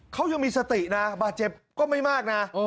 เขายังมีสตินะบาดเจ็บก็ไม่มากนะ